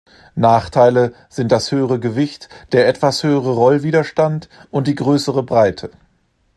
Nachteile sind das höhere Gewicht, der etwas höhere Rollwiderstand und die größere Breite.